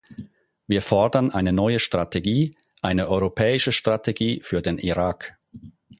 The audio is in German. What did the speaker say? Wir fordern eine neue Strategie, eine europäische Strategie für den Irak.